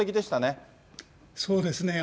そうですね。